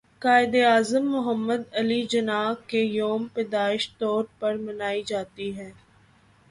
قائد اعظم محمد علی جناح کے يوم پیدائش طور پر منائی جاتى ہے